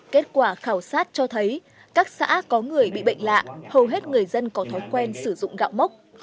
kết quả khảo sát cho thấy các xã có người bị bệnh lạ hầu hết người dân có thói quen sử dụng gạo mốc